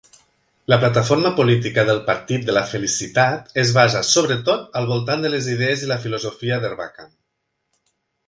La plataforma política del Partit de la Felicitat es basa sobretot al voltant de les idees i la filosofia d'Erbakan.